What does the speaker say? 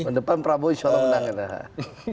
pendepan prabowo insya allah menang